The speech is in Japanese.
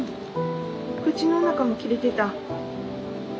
口の中も切れてた？